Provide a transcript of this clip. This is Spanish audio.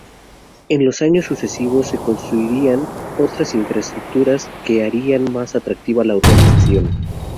En los años sucesivos se construirían otras infraestructuras que harían más atractiva la urbanización.